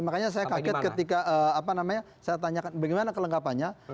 makanya saya kaget ketika apa namanya saya tanyakan bagaimana kelengkapannya